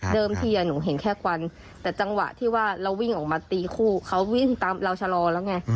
ทีหนูเห็นแค่ควันแต่จังหวะที่ว่าเราวิ่งออกมาตีคู่เขาวิ่งตามเราชะลอแล้วไง